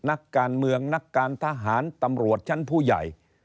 นักการเมืองนักการทหารตำรวจชั้นผู้ใหญ่